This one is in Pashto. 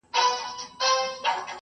ما غوښتل چې له هغې سره خبرې وکړم.